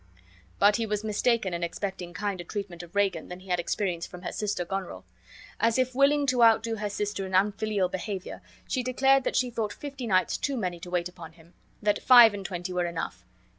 But he was mistaken in expecting kinder treatment of Regan than he had experienced from her sister Goneril. As if willing to outdo her sister in unfilial behavior, she declared that she thought fifty knights too many to wait upon him; that five and twenty were enough.